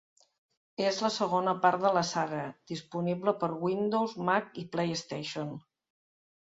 És la segona part de la saga, disponible per Windows, Mac i PlayStation.